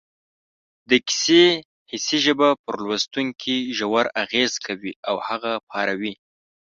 د کیسې حسي ژبه پر لوستونکي ژور اغېز کوي او هغه پاروي